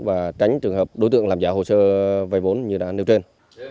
và tránh trường hợp đối tượng làm giả hồ sơ vay vốn như đã nêu trên